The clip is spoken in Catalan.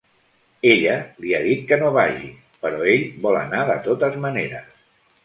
Ella li ha dit que no vagi, però ell vol anar de totes maneres.